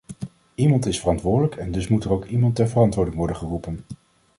Iemand is verantwoordelijk en dus moet er ook iemand ter verantwoording worden geroepen.